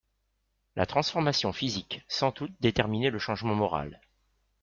La transformation physique, sans doute déterminait le changement moral.